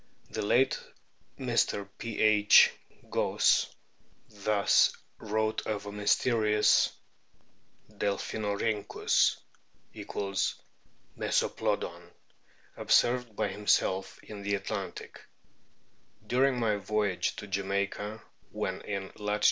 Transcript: The late Mr. P. H. Gosse thus wrote of a mysterious " Delphinorhyn chus "(= Mesoplodon) observed by himself in the Atlantic :" During my voyage to Jamaica, when in lat.